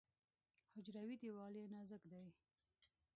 حجروي دیوال یې نازک دی.